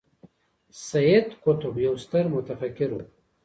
سید قطب یو ستر متفکر و.